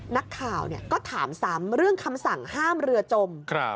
นักข่าวก็ถามซ้ำเรื่องคำสั่งห้ามเรือจม